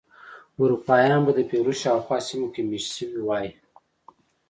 اروپایان به د پیرو شاوخوا سیمو کې مېشت شوي وای.